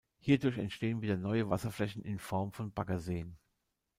Hierdurch entstehen wieder neue Wasserflächen in Form von Baggerseen.